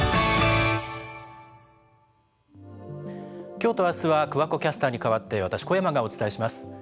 今日と明日は桑子キャスターに代わって私、小山がお伝えします。